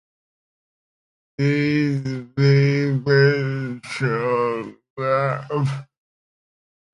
These people chalk up three crosses on the doors of the cattle-stalls.